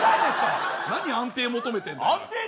なに安定求めてるんだよ。